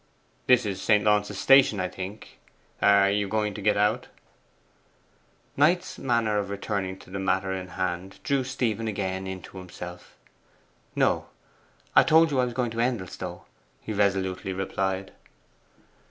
'This is St. Launce's Station, I think. Are you going to get out?' Knight's manner of returning to the matter in hand drew Stephen again into himself. 'No; I told you I was going to Endelstow,' he resolutely replied.